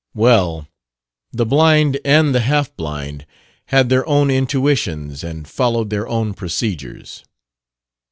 Well, the blind and the half blind had their own intuitions and followed their own procedures.